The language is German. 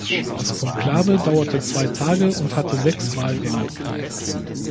Das Konklave dauerte zwei Tage und hatte sechs Wahlgänge.